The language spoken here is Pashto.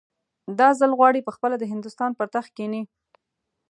دا ځل غواړي پخپله د هندوستان پر تخت کښېني.